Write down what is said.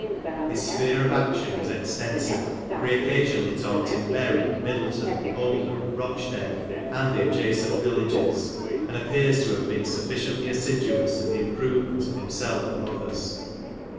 His sphere of action was extensive, for he occasionally taught in Bury, Middleton, Oldham, Eochdale, and the adjacent villages ; and appears to have been sufficiently assiduous in the improvement of him self and others.